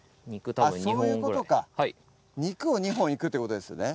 そういうことか肉を２本いくってことですね